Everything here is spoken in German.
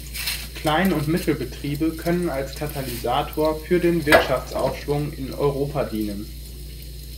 Klein- und Mittelbetriebe können als Katalysator für den Wirtschaftsaufschwung in Europa dienen.